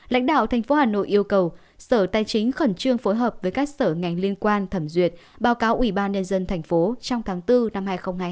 lãnh đạo tp hà nội yêu cầu sở tài chính khẩn trương phối hợp với các sở ngành liên quan thẩm duyệt báo cáo ubnd tp trong tháng bốn năm hai nghìn hai mươi hai